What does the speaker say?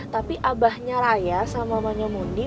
tapi abahnya raya sama mamanya mondi